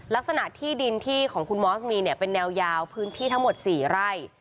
ลักษณะที่ดินที่ของคุณมอสมีเนี่ยเป็นแนวยาวพื้นที่ทั้งหมด๔ไร่